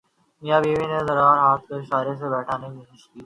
میاں جی نے ضرار کو ہاتھ کے اشارے سے بیٹھنے کا اشارہ کیا